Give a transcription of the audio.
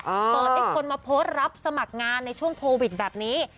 เปิดให้คนมาโพสต์รับสมัครงานในช่วงโควิดแบบนี้